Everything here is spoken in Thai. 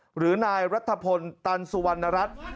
หรือนายรัฐพลตันสุวรรณรัฐ